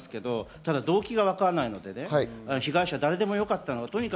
ただ動機が分からないので被害者は誰でもよかったのか。